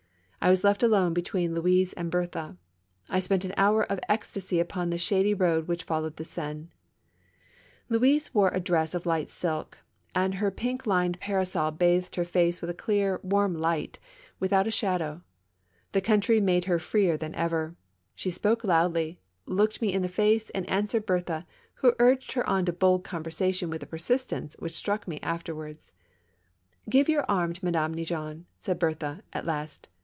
I was left alone between Louise and Berthe ; I spent an hour of ecstasy upon that shady road which folloAved the Seine. THE MAISONS LAFFITTE RACES. 47 Louise wore a dress of liglit silk, and her pink lined parasol bathed her face with a clear, warm light, with out a shadow. The country made her freer than ever ; she spoke loudly, looked me in the face and answered Berthe, who urged her on to bold conversation with a persistence which struck me afterwards. " Give your arm to Madame Neigeon," said Berthe, at last.